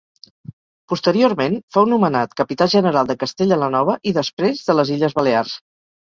Posteriorment fou nomenat capità general de Castella la Nova i després de les Illes Balears.